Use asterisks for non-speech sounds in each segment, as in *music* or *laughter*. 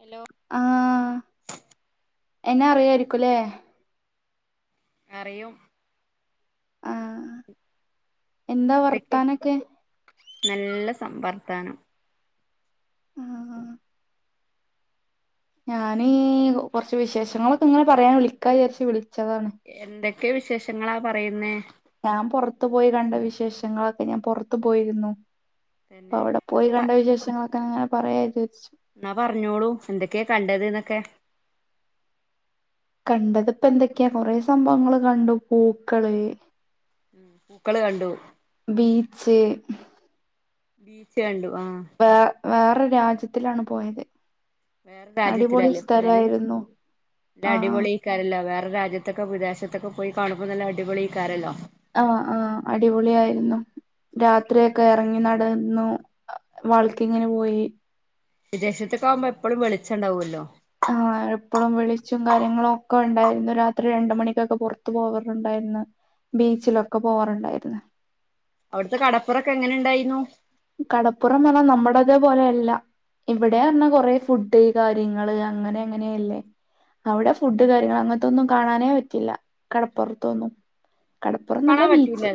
Hello ആഹ എന്നെ അറിയായിരിക്കുല്ലേ അറിയും ആ എന്താ എന്തൊക്കെ വർത്താനൊക്കെ നല്ല സം വർത്താനം ആഹ ആ ഞാനീ കൊറച്ച് വിശേഷങ്ങളൊക്കെ ഇങ്ങനെ പറയാൻ വിളിക്കാചരിച്ച് വിളി എന്തേ ത്തെ വിശേഷങ്ങളാ പറയുന്നേ ഞാൻ പൊറത്തു പോയി കണ്ട വിശേഷങ്ങളൊക്കെ ഞാൻ പൊറത്ത് പോയിരുന്നു അപ്പൊ തന്നെ അവിടെ പോയി എന്നാ പ കണ്ട വിശേഷങ്ങൊക്കെങ്ങനെ പറയാ, വിചാരിച്ചു എന്നാ പറഞ്ഞോളൂ എന്തൊക്കെയാ കണ്ടത് ന്നോക്കെ കണ്ടത് ഇപ്പന്തോക്കെ കൊറേ സംഭവങ്ങള് കണ്ട് പൂക്കള് പൂക്കള് കണ്ടു ബീച്ച് ബീച്ച് കണ്ടു ആഹ് *unintelligible* വേറെ രാജ്യത്തിലാണ് പോയത് വേറെ അടിപൊളി രാജ്യത്തിലല്ലേ ഇപ്പൊ ഇത് സ്ഥലായിരുന്നു ഇത് ആഹ് അടിപൊളിയവതേ രാജ്യത്തൊക്കെ വിദേശത്തൊക്കെ പോയി കാണുമ്പൾ നല്ലഅ ടിപൊളിക്കാരല്ലോ ആആ അടിപൊളി ആയിരുന്നു രാത്രിയൊക്കെ ഇറങ്ങി നടന്നു വാക്കിങ് പോയി വിദേശത്തക്കാവുമ്പോ എപ്പോഴും വെളിച്ചണ്ടാവുമല്ലോ ആ എപ്പോഴും വെളിച്ചും കാര്യങ്ങളും ഒക്കെ ഉണ്ടായിരുന്നു രാത്രി രണ്ട മണിക്കൊക്കെ പുറത്തു പോവാറുണ്ടായിരുന്നു ബീച്ചിലൊക്കെ പോവാറുണ്ടായിരുന്നു അവിടുത്തെ കടപ്പുറൊക്കെ എങ്ങനെ ഉണ്ടായിരുന്നു കടപ്പുറം പറഞ്ഞാ നമ്മടതേ പോലെയ അല്ല ഇവിടെ പറഞ്ഞാ കൊറേ ഫുഡ് കാര്യങ്ങള് അങ്ങനെ അങ്ങനെയല്ലേ അവിടെ ഫുഡ് കാര്യങ്ങ അങ്ങനത്തൊന്നും കാണാനേ പറ്റില്ല കടപ്പുറത്തൊന്നും കടപ്പുറം നല്ല കാണാൻ ബീച്ച് പറ്റൂല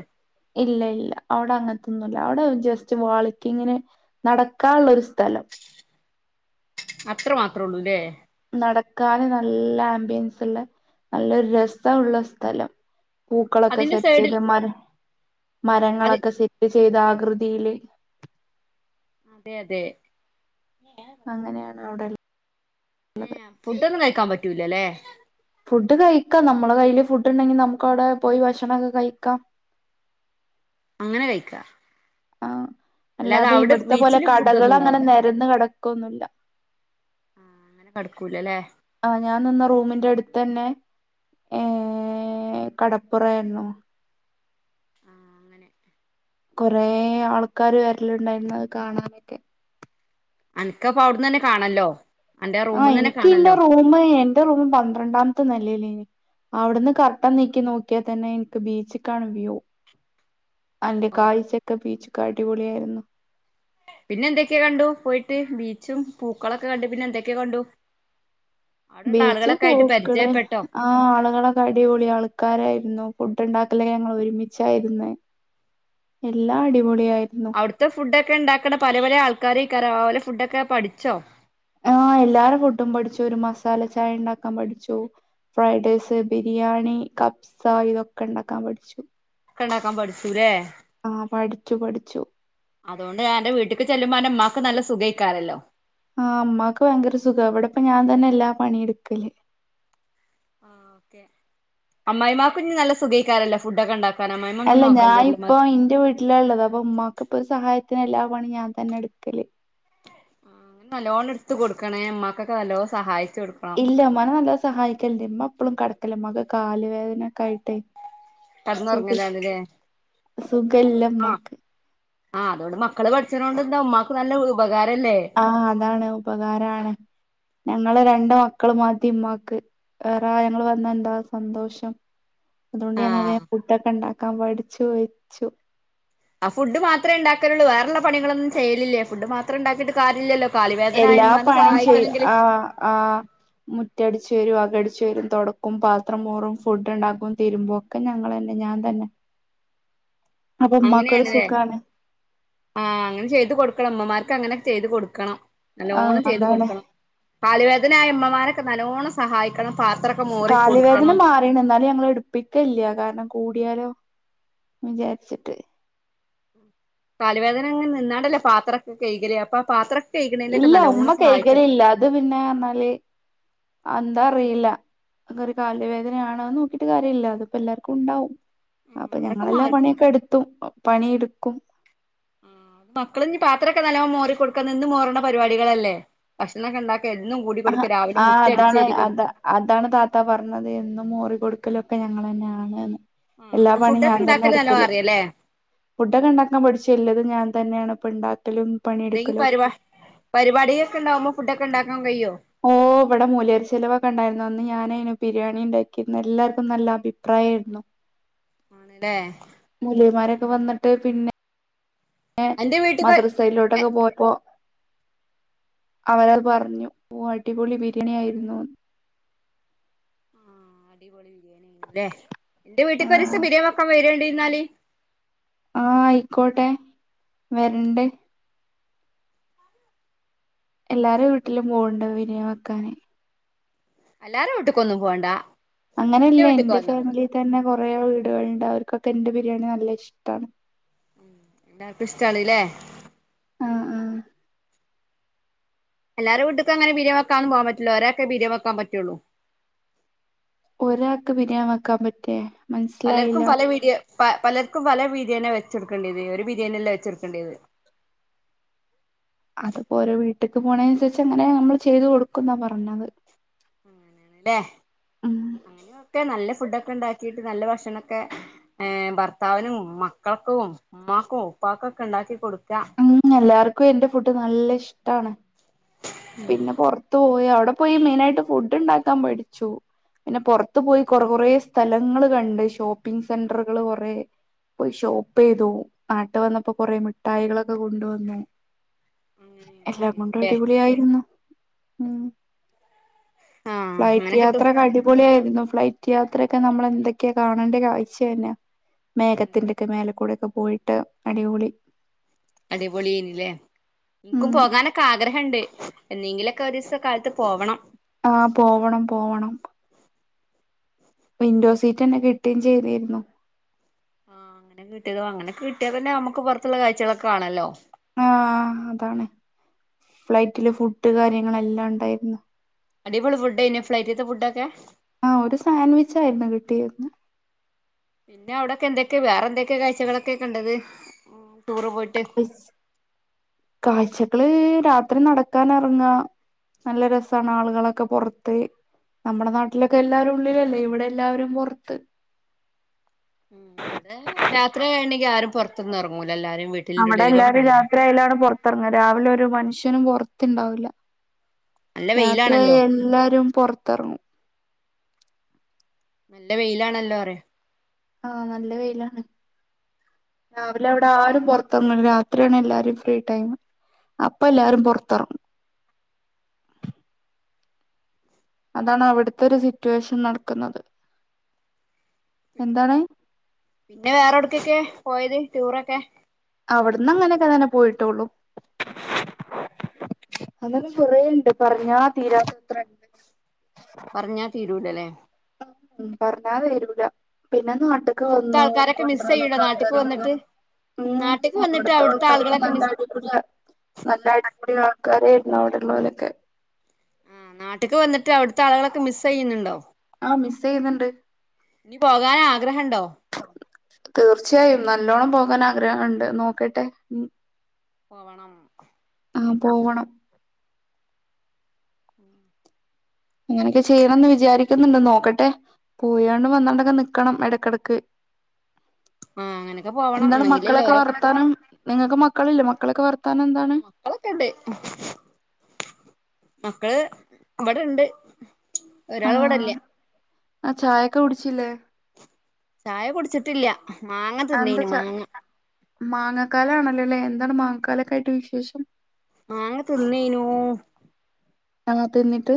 ഇല്ല ഇല്ല അവിടെ അങ്ങത്തെ ഒന്നുല്ല അവിടെ *unintelligible* വാളിക്ക്ങ്ങ്ന് നടക്കാനുള്ളൊരു സ്ഥലം അത്ര മാത്രം ഒള്ളൂല്ലേ നടക്കാന് നല്ല ആംബിയൻസ്ള്ള നല്ലോരു രസ ഉള്ള സ്ഥലം പൂക്കളൊക്കെ അതിന്റെ സെറ്റ് സൈഡിൽ ചെയ്ത് അത് മരങ്ങളൊക്കെ സെറ്റ്ചെയ്ത് ചെയ്ത ആകൃതിയിലേ അതെ അതെ അങ്ങനെയാണ് അവിടെല്ലാം ഹേ ഫുഡ്കഴിച്ചോ കാണാൻ പറ്റൂലല്ലേ ഫുഡ് കഴിക്കാം നമ്മളെ കയ്യിൽ ഫുഡ് ഉണ്ടെങ്കിൽ നമുക്ക് അവിടെ പോയി ഭക്ഷണംമൊക്കെ കഴിക്കാം അങ്ങനെ കഴിക്കാ ആ അല്ലാതെ അവിടെ ഇവിടത്തെ പോലെ ബീച്ചില് കടകൾ ഫുഡൊന്നും അങ്ങനെ ഉണ്ടാവൂല നിരന്ന് കെ - ക്കൊന്നു ല്ല കടക്കൂലല്ലേ ആ ഞാൻ നിന്ന റൂമിന്റെ അടുത്ത് തന്നെ ഏ കടപ്പുറ ആരുന്നുോ ആ അങ്ങനെ *unintelligible* കൊറെ ആൾക്കാാര് വരലുണ്ടായിരുന്നു അത് കാണാനൊക്കെ അനക്കപ്പ അവിടന്ന് ന്നെ കാണല്ലോ അന്റെ ആഹ് റൂമിന്ന് തന്നെ എനിക്ക് എന്റെ കാണല്ലോ റൂമ്, എന്റെ റൂം പന്ത്രണ്ടാമത്തെ നിലയില്. അവിടുന്ന് കർട്ടൻ നീക്കി നോക്കിയാൽ തന്നെ എനിക്ക് ബീച്ചിൽ കാണും വ്യു. അന്റെ ഓ കാഴ്ചക്കെ ബീച്ച്. അടിപൊളിയായിരുന്നു. പിന്നെ എന്തൊക്കെയാ കണ്ടു, പോയിട്ട് ബീച്ചും പൂക്കളൊക്കെ കണ്ട് പിന്നെ എന്തൊക്കെയാ കണ്ടു. അവിടെള്ള ബീച്ചിൽ ആളുകളൊക്കെ ആയിട്ട് പൂക്കള്, പരിചയപ്പെട്ടോ ആ ആളുകളൊക്കെ അടിപൊളി ആൾക്കാരായിരുന്നു. ഫുഡ് ഉണ്ടാക്കല് ഞങ്ങൾ ഒരുമിച്ചായിരുന്നു എല്ലാം അടിപൊളിയായി. അവിടുത്തെ ഫുഡെക്കെ ഇണ്ടാക്കണ പല പല ആൾ കറി *unintelligible* ഫുഡൊക്കെ പഠിച്ചോ ആഎല്ലാരും ഫുഡും പഠിച്ചു ഒരു മസാല ചായ ഉണ്ടാക്കാൻ പഠിച്ചു ഫ്രൈഡ് റൈസ് ബിരിയാണി കബ്സ ഇതൊക്കെ ഉണ്ടാക്കാൻ പഠിച്ചു. ഇണ്ടക്കാൻ പഠിച്ചുല്ലേ ക്കെ പഠിച്ചു അതുകൊണ്ട് ഞാനെന്റെ വീട്ടിക്ക് ചെല്ലുമ്പോ ഇന്റെ ഉമ്മാക്ക് നല്ല സുഖമായിക്കാറല്ലോ ആ അമ്മാക്ക് ഭയങ്കര സുഖം അവിടെപ്പ ഞാൻ തന്നെ എല്ലാ പണിയ എടുക്കല് അമ്മായിമാർക്കും ഇനി നല്ല സുഖക്കാരല്ലോ ഫുഡൊക്കെ ഉണ്ടാക്ക അല്ല ഞാൻ ഇപ്പ എന്റെ വീട്ടിലള്ളത് അപ്പൊ ഉമ്മാക്ക് ഇപ്പോ സഹായത്തി ന് എല്ലാ പണി ഞാൻ തന്നാ എടുക്കല് ആ നല്ലോണം എടുത്ത് കൊടുക്കണേ ഉമ്മക്കൊക്കെ നല്ലോണം സഹായിക്ക ഇല്ല ഉമ്മാനെ നല്ല സഹായിക്കലണ്ട് ഉമ്മ എപ്പോഴും കടക്കലമ്മാക്ക് കാല് വേദനൊക്കെ ആയിട്ടേ സുഖ കടന്നുറങ്ങലാണ്ല്ലേ സുഖല്ലമാക്ക് ആഹ് അതൊണ്ട് മക്കള് പഠിച്ചതൊണ്ട്ന്താ ഉമ്മാക്ക് നല്ല ഉപകാര ആ അതാണ് ഉപകാരാണ് ഞങ്ങള് രണ്ട് മക്കളും മതി ഉമ്മാക്ക് വേറെ ഞങ്ങള് വന്ന എന്താ സന്തോഷം അതുകൊണ്ട് ഞങ്ങള് ആഹ് വേഗം ഫുഡൊക്കെ ഉണ്ടാക്ക ക്കാൻ പഠിച്ചു വച്ചു ആ ഫുഡ് മാത്ര ഉണ്ടാക്കാനുള്ളൂ വേറുള്ള പണികളൊന്നും ചെയ്യലില്ലേ ഫുഡ് മാത്രേ ഉണ്ടാക്കിട്ട് കാര്യല്ലല്ലോ കാലുവേദനായ എല്ലാ ഇമ്മാനെ പണിയും ചെയ്യും സഹായിക്കണെങ്കില് ആ ആ മുറ്റടി വരും അകടിച്ചു വരും തുടക്കും പാത്രംമോറും ഫുഡ് ഉണ്ടാകും തീരുമ്പോ ഒക്കെ ഞങ്ങൾ തന്നെ ഞാൻ തന്നാ അങ്ങനെയണല്ലേ ആ അങ്ങനെ ചെയ്ത് കൊടുക്കണം അമ്മമാർക്ക് അങ്ങനെ പ ചെയ്ത് കൊടുക്കണം ആഹ് നല്ലോണം ചെയ്ത് അതാണ് കൊടുക്കണം കാലുവേദനയമ്മമാരൊക്കെ നല്ലോണം സഹായിക്കണം പാത്രൊക്കെ മോറി കാല് വേദന കൊടുക്കണം മാറീണ് എന്നാലും ഞങ്ങള് എടുപ്പിക്കല്ല കാരണം കൂടിയാലോ വിചാരിച്ചിട്ട് കാല് വേദനങ്ങനെ നിന്നാണ്ടല്ലേ പാത്രക്കെ കഴകല് അപ്പൊ ആ പാത്രം ഇല്ല ഉമ്മ കൈകലില്ല അത് പിന്നെ പറഞ്ഞാല് എന്താ അതറിയില്ല അങ്ങെ ഒരു കാല് വേദനയാണെന്ന് നോക്കിട്ട് കാര്യമില്ല അതിപ്പോ എല്ലാർക്കും ഉണ്ടാവും അപ്പൊ അതൊക്കെ ഞങ്ങളെല്ലാം മാറി പണിയൊക്കെ എടുത്തും പണി എടു ക്കും മക്കളും ഇ പാത്രമൊക്കെ നല്ലോ മോറി കൊടുക്ക ഇന്ന് മോറണ പരിപാടികളല്ലേ ഭക്ഷണക്കെ ഇണ്ടാക്ക ആ അതാണ് അത കൊടുക്ക അതാണ് താത്ത പറഞ്ഞത് എന്നും ഓറികൊടുക് പക്കലൊക്കെ ഞങ്ങൾ തന്നെയാണ്ന്ന് എല്ലാ അപ്പൊ പണി ഫുഡൊക്കെ ഞാൻ തന്നെ ഉണ്ടാക്കല് നല്ലോം എടുക്കല് അറിയല്ലേ ഫുഡൊക്കെ ഉണ്ടാക്കാൻ പടിച്ചല്ലത് ഞാൻ തന്നെയാണ് പ്പണ്ടാക്ക എന്തെങ്കി പരിപാ പരിപാടിക ഒക്കെ ഉണ്ടാകുമ്പോ ഫുഡ് ഒക്കെ ഉണ്ടാക്കാൻ കയിയോ ഓ ഇവിടെ മോലിയാർ ചെലവൊക്കെ ഉണ്ടായിരുന്നു അന്ന് ഞാനയ്ന് ബിരിയാണി ഉണ്ടാക്കിർന്ന് എല്ലാർക്കും നല്ല അഭിപ്രായായിരുന്നു. ആണല്ലേ മൂലിയാമാരൊ വന്നിട്ട് പിന്നെ അന്റെ വീട്ടിക്ക് ആഹ് മദ്രസയിലോട്ടൊക്കെ പോയപ്പോ അവരാൽ പറഞ്ഞു ഓ അടിപൊളി ബിരിയാണി ആയിരുന്നുന്ന്. ആ അടിപൊളി ബിരിയാണിയായിരുന്നു ലേ എന്റെ വീട്ടിക്കൊരീസം ആഹ് ബിരിയാണി വെക്കാൻ വരോണ്ടി ന്നാല് ആ അയിക്കോട്ടെ വരണ്ട് എല്ലാരെ വീട്ടിലും പോവുണ്ട് ബിരിയാണി വെക്കാന്. എല്ലാരെ വീട്ടിക്കൊന്നും പോണ്ട അങ്ങനെയല്ലേ വീട്ടിക്ക് എന്റെ വന്നാ മതി ഫാമിലി തന്നെ കൊർ കുറേ വീടുകളുണ്ട് അവർക്കൊക്കെ എന്റെ ബിരിയാണി നല്ല ഇഷ്ടമാണ്. എല്ലാവർക്കും ഇഷ്ട്ടാണ് ലെ ആഹ് ആഹ്. എല്ലാരും വീട്ടക്കങ്ങനെ *unintelligible* വെക്കാന്നന്ന് പോകാൻ പറ്റില്ലോ ഒരൊക്കെ *unintelligible* വെക്കാൻ പറ്റുള്ളു. ഒരാൾക്ക് *unintelligible* വക്കാൻ പറ്റേ പലർക്കും മനസ്സിലായില്ല പല വീഡിയ പ പലർക്കും പല ബിരിയാണിയ വെച്ചെടുക്കേണ്ടത് ഒരു ബിരിയാണില്ലാം വെച്ചെടുക്കേണ്ടിയത്. അത്പ്പോ ഓരോ വീട്ടക്ക് പോണ അനുസരിച്ച് അങ്ങനെ നമ്മള് ചെയ്ത് കൊടുക്കും ന്നാ പറഞ്ഞത്. അങ്ങനെയണല്ലേ ഉം അങ്ങനെയൊക്കെ നല്ല ഫുഡൊക്കെ ഉണ്ടാക്കി നല്ല ഭക്ഷണൊക്കെ ഭർത്താവിനും മക്കൾക്കും ഉമ്മാക്കും ഉപ്പക്കോക്കെ ഉണ്ടാക്കി കൊടുക്കാ ഉം എല്ലാർക്കും എന്റെ ഫുഡ് നല്ല ഇഷ്ടാണ്. പിന്നെ പുറത്ത് പോയ അവിടെ പോയി മെയിനായിട്ട് ഫുഡ് ഉണ്ടാക്കാൻ പടിച്ചു പിന്നെ പുറത്ത് പോയി കൊറ കൊറേ സ്ഥലങ്ങൾ കണ്ട് ഷോപ്പിങ്ങ് സെന്ററുകൾ കൊറേ പോയി ഷോപ്പ് ചെയ്തു നാട്ട് വന്നപ്പോ കൊറേ മിഠായികള് ക്കെ കൊണ്ടു വന്നു. അങ്ങനെയൊക്കെ എല്ലാം കൊണ്ടും ചെയ്തുല്ലേ അടിപൊളിയായിരുന്നു ഉം. ആഹ് ഫ്ലൈറ്റ് അങ്ങനെ കിട്ടും യാത്ര അടിപൊളിയായിരുന്നു ഫ്ലൈറ്റ് ക യാത്രയൊക്കെ നമ്മളെന്തൊക്കെയാ കാണേണ്ട കാഴ്ച തന്നെ. മേഘത്തിന്റെക്കെ മേലക്കൂടെക്കെ പോയിട്ട് അടിപൊളി. അടിപൊളിയേനില്ലേ ഇക്കും ഉം പോകാനൊക്കെ ആഗ്രഹണ്ട്. എന്തെങ്കിലൊക്കെ ഒരു ദിവസം കാലത്ത് പോവണം ആഹ് പോവണം പോവണം വിൻഡോ സീറ്റ് തന്നെ കിട്ടുകയും ചെയ്തിരുന്നു ആഹ് അങ്ങനെ കിട്ടിയതോ അങ്ങനെ കിട്ടിയാൽതന്നെ നമ്മക്ക് പുറത്തുള്ള കാഴ്ചകളൊക്കെ കാണല്ലോ ആ അതാണ് ഫ്ലൈറ്റില് ഫുഡ് കാര്യങ്ങളെല്ലാം ഉണ്ടായിരുന്നു അടിപൊളി ഫുടെന്നെയാ ഫ്ലൈറ്റത്തെ ഫുടൊക്കെ. ആ ഒരു സാൻവിച് ആയിരുന്നു കിട്ടിരുന്ന്. പിന്നെ അവിടൊക്കെ എന്തൊക്കെയ വേറെ എന്തൊക്കെയെ കാഴ്ചകളൊക്കെ കണ്ടത്? ടൂറ് പോയിട്ട് കാ കാഴ്ച മക്കള് രാത്രി നടക്കാൻ ഇറങ്ങ, നല്ല രസമാണ് ആളുകളൊക്കെ പുറത്ത് നമ്മുടെ നാട്ടിലൊക്കെ എല്ലാവാരും ഉള്ളിലല്ലേ ഇവിടെ എല്ലാവരും പുറത്ത്. ഉ ഇവിടെ രാത്രി ആണെങ്കിൽ ആരും പുറത്തന്ന് ഇറങ്ങൂല. എല്ലാരും വീട്ടിലിന്റെ അവിടെ ഉള്ളിൽ എല്ലാരും കിടന്നോളും രാത്രിയാലാണ് പുറത്തിറങ്ങത് രാവിലെ ഒരു മനുഷ്യ നും പുറത്തണ്ടാവില്ല നല്ല യാത്രയ വെയിലാണല്ലോ എല്ലാരും പൊറത്തറങ്ങും നല്ല വെയിലാണല്ലോ അറ ആ നല്ല വെയിലാണ് രാവിലെ അവിടെ ആരും പൊറത്തിറങ്ങല രാത്രിയാണ് എല്ലാരും ഫ്രീ ടൈം അപ്പൊ എല്ലാരും പൊറത്തിറങ്ങും അതാണ് അവിടുത്തെ ഒരു സിറ്റുവേഷൻ നടക്കുന്നത് എന്താണ് പിന്നെ വേറെടക്കൊക്കെയ പോയത് ടൂറൊക്കെ അവിടന്ന് അങ്ങനൊക്കെ അങ്ങനെ പോയിട്ടുള്ളു, അങ്ങനെ കൊരെണ്ട് പറഞ്ഞ തീരാതത്രെ. പറഞ്ഞാ തീരി *unintelligible* ലെ ഉ പറഞ്ഞാ വരൂല പി പിന്നെ നാട്ടൊക്കെ അവിടുത്തെ വന്നു ആൾക്കാരൊക്കെ മിസ് ചെയ്യൂലേ കൊണ്ടൊക്കെ നാട്ട്ക്ക് ആൾക്കാർ വന്നു വന്നിട്ട് ഉ നാട്ട്ക്ക് വന്നിട്ട് അവിടുത്തെ ആൾക്കാരൊക്കെ ആളുകളൊക്കെ നല്ല മിസ് അടിപൊളിയ നല്ല അടിപൊളി ആൾക്കാര് അവിടുള്ളോരൊക്കെ ആ നാട്ടേക്ക് വന്നിട്ട് അവിടുത്തെ ആളുകളൊക്കെ മിസ് ചെയ്യുന്നുണ്ടോ ആ മിസ് ചെയ്യുന്നുണ്ട് ഇനി പോകാൻ ആഗ്രഹണ്ടോ തീർച്ചയായും നല്ലോണം പോ ആഗ്രഹമുണ്ട് നോക്കട്ടെ മ് പോവണം ആ പോവണം *inaudible* അങ്ങനെയൊക്കെ ചെയ്യണന്ന് വിചാരിക്കുന്നുണ്ട് നോക്കട്ടെ പോയണ്ട് വന്നണ്ടൊക്കെ നിക്കണം ഇടക്കിടക്ക് ആഹ അങ്ങനൊക്കെ പോവണം എന്നെങ്കിലലെ മക്കളൊക്കെ വർത്താനം നിങ്ങക്ക് മക്കളില്ലേ മക്കളൊക്കെ വർത്താനം എന്താണ് മക്കളൊക്കെണ്ട് മക്കള് ഇവിടെണ്ട് ഒരാൾ ആഹ് ഇവിടില്ല ആ ചായൊക്കെ കുടിച്ചില്ലേ ചായ കുടിച്ചിട്ടില്ല മാങ്ങതിന്നയ്ന് മാങ്ങ മാങ്ങക്കാലണല്ലോല്ലേ എന്താണ് മാങ്ങക്കാലായിട്ട് വിശേഷം മാങ്ങതിന്നെനൂ അങ്ങ തിന്നിട്ട്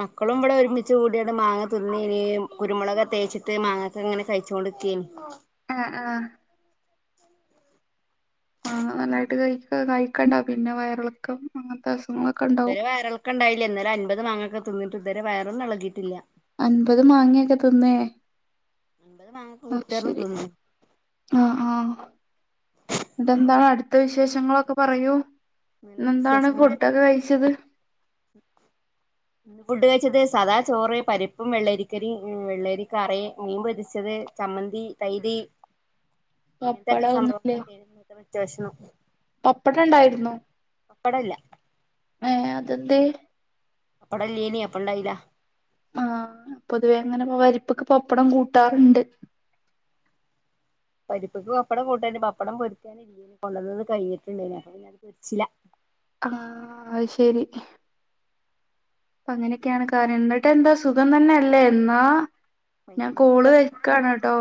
മക്കളും ഇവിടെ ഒരുമിച്ച് കൂടിയാണ് മാങ്ങ തിന്നീൻ കുരുമുളക് തേച്ചിട്ട് മാങ്ങൊക്കെ ഇങ്ങനെ കഴിചോണ്ടിരിക്കുകയാണ് ആഹ ആഹ മാങ്ങനന്നായിട്ട് കയിക്ക് കയ്ക്കണ്ട പിന്നെ വയറളക്കം അങ്ങ ഇതുവരെ വയറിളക്കം ഇണ്ടായില്ല ഇന്നലെ അമ്പപത് മാങ്ങൊക്കെ തി ഇതുവരെ വയറൊന്നും ഇളകിയിട്ടില്ല. അൻപത് മാങ്ങയൊക്കെ തിന്നേ? അൻപത് മാങ്ങൊക്കെ ആഹ് കുത്തിർന്ന് ശരി തിന്ന് ആഹ് ആഹ്. ഇതെന്താണ് അടുത്ത വിശേഷങ്ങളൊക്കെ പറയൂ. നല്ല ഇന്നെന്താണ് വിശേഷങ്ങൾ ഫുഡോക്കെ കഴിച്ചത്? ഫുഡ് കഴിച്ചത് സാദാ ചോറ് പരിപ്പും വെള്ളരിക്കരി വെള്ളരിക്കറ മീൻ പൊരിച്ചത് ചമ്മന്തി തൈര്. പപ്പട ഇങ്ങനതൊക്കെ ഒന്നുല്ലേ സംഭവങ്ങളൊക്കെ *unintelligible* സ്റ്റേഷന പപ്പടം ഇണ്ടായിരുന്നു. പപ്പടല്ല. ഏ അതെന്തേ? പപ്പടം ഇല്ലേനി അപ്പ ഉണ്ടായില്ല. ആഹ് പൊതുവേ അങ്ങനെ *unintelligible* പപ്പടം കൂട്ടാറുണ്ട്. *unintelligible* ആഹ് അത്ശരി അപ്പ അങ്ങനെയൊക്കെയാണ് കാര്യങ്ങള് എന്നിട്ട് എന്താ സുഖം തന്നെയല്ലേ എന്നാ ഞാൻ കോൾ ഭയങ്കര സുഖം വെക്കാണ് ട്ടോ.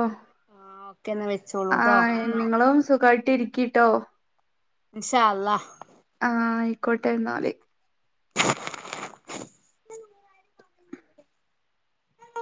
ആഹ് ഓക്കെ എന്നാ വെച്ചോളൂട്ടോ ആഹ് നിങ്ങളും സുഖമായി ഇട്ടിരിക്കട്ടോ. ഇൻശാ അല്ലാഹ്. ആഹ് ആയിക്കോട്ടെ എന്നാല്.